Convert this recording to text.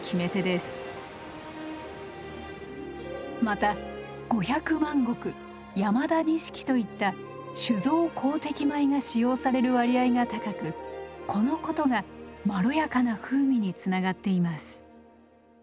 また五百万石山田錦といった酒造好適米が使用される割合が高くこのことがまろやかな風味につながっています。